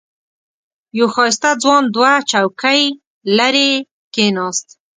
یو ښایسته ځوان دوه چوکۍ لرې کېناست.